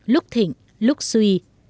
lúc thịnh lúc suy